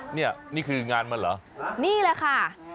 นี่นี่คืองานมันเหรอนี่แหละค่ะ